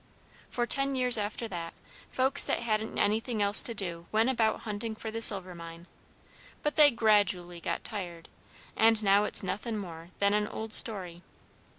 For ten years after that, folks that hadn't anything else to do went about hunting for the silver mine, but they gradooally got tired, and now it's nothin' more than an old story.